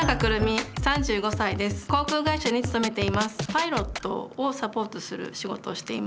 パイロットをサポートする仕事をしています。